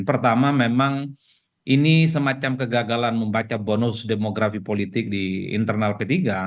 pertama memang ini semacam kegagalan membaca bonus demografi politik di internal p tiga